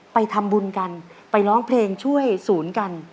ไปทำบุญกันไปร้องเพลงช่วยศูนย์กัน